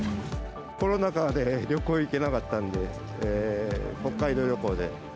コロナ禍で旅行行けなかったんで、北海道旅行で。